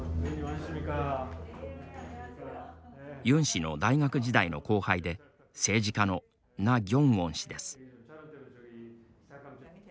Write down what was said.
ユン氏の大学時代の後輩で政治家のナ・ギョンウォン氏です。